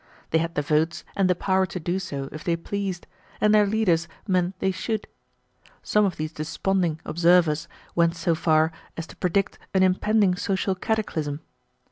They had the votes and the power to do so if they pleased, and their leaders meant they should. Some of these desponding observers went so far as to predict an impending social cataclysm.